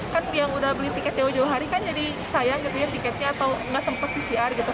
kan yang udah beli tiket jauh jauh hari kan jadi sayang gitu ya tiketnya atau nggak sempat pcr gitu